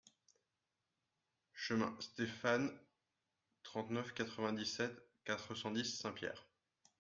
Chemin Stéphane Cdtrente-neuf, quatre-vingt-dix-sept, quatre cent dix Saint-Pierre